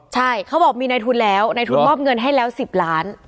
ใช่เขาบอกมีในทุนแล้วในทุนมอบเงินให้แล้ว๑๐ล้าน